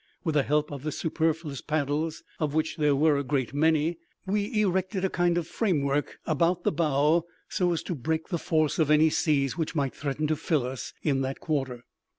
With the help of the superfluous paddles, of which there were a great many, we erected a kind of framework about the bow, so as to break the force of any seas which might threaten to fill us in that quarter.